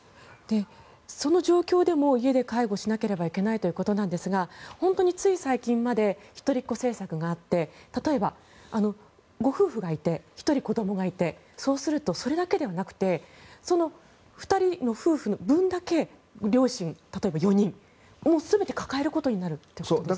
その状況でも家で介護しなければいけないということなんですが本当につい最近まで一人っ子政策があって例えば、ご夫婦がいて１人子どもがいてそうすると、それだけではなくてその２人の夫婦の分だけ両親、例えば、４人全て抱えることになるということですよね。